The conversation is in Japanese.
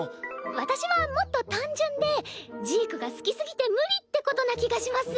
私はもっと単純でジークが好きすぎて無理ってことな気がします。